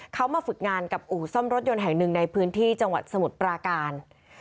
เขามาฝึกงานกับอู่ซ่อมรถยนต์แห่งหนึ่งในพื้นที่จังหวัดสมุทรปราการ